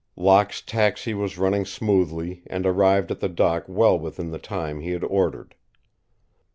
Locke's taxi was running smoothly and arrived at the dock well within the time he had ordered.